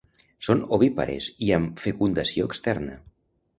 Són ovípares i amb fecundació externa.